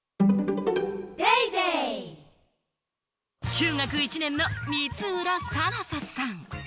中学１年の光浦更紗さん。